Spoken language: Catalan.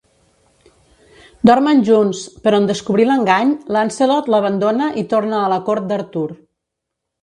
Dormen junts, però en descobrir l'engany, Lancelot l'abandona i torna a la cort d'Artur.